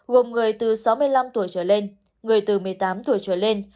gồm người từ sáu mươi năm tuổi trở lên người từ một mươi tám tuổi trở lên